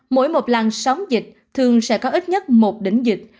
mỗi một làng sóng dịch thường sẽ có ít nhất một đỉnh dịch